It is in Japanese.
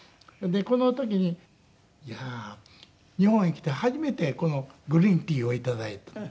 この時に「いやー日本へ来て初めてこのグリーンティーを頂いた」。